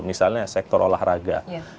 misalnya sektor olahraga